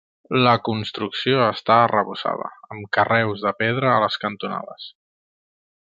La construcció està arrebossada, amb carreus de pedra a les cantonades.